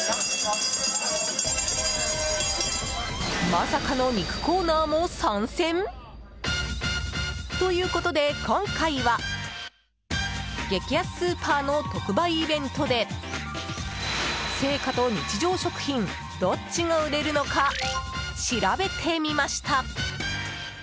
まさかの肉コーナーも参戦？ということで、今回は激安スーパーの特売イベントで青果と日常食品どっちが売れるのか調べてみました。